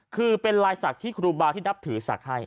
คือเป็นลายศักดิ์ที่ครูบาที่นับถือศักดิ์ให้